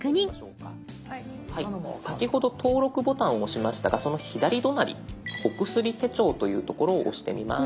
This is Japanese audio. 先ほど登録ボタンを押しましたがその左隣「お薬手帳」という所を押してみます。